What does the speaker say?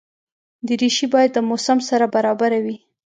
دریشي باید د موسم سره برابره وي.